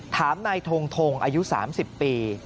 ถามนายทงทงอายุ๓๐ปี